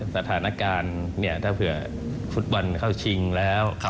สถานการณ์ถ้าเผื่อฟุตบอลเข้าชิงแล้ว